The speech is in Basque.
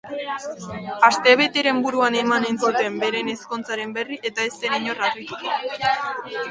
Astebeteren buruan emanen zuten beren ezkontzaren berri, eta ez zen inor harrituko.